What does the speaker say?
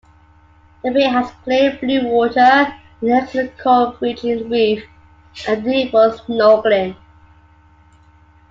The bay has clear blue water, an excellent coral fringing reef, ideal for snorkelling.